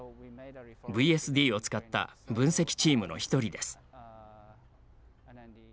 ＶＳＤを使った分析チー厶の１人です。